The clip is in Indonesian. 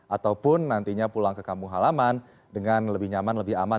ataupun nantinya pulang ke kampung halaman dengan lebih nyaman lebih aman